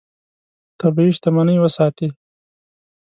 طبیعي شتمنۍ وساتې.